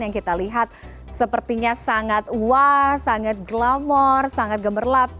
yang kita lihat sepertinya sangat wah sangat glamor sangat gemerlap